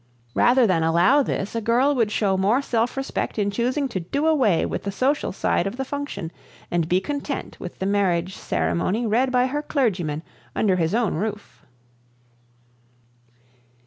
Rather than allow this a girl would show more self respect in choosing to do away with the social side of the function and be content with the marriage ceremony read by her clergyman under his own roof.